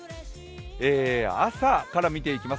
朝から見ていきます。